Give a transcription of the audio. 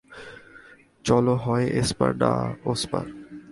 চলো হয় এসপার নয় ওসপার।